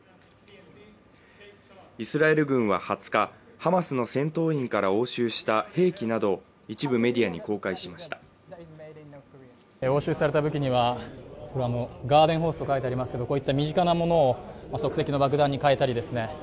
イスラエル軍は２０日ハマスの戦闘員から押収した兵器などを一部メディアに公開しました押収された時にはこれらのガーデンホースと書いてありますけどこういった身近なものを即席の爆弾に変えたりですね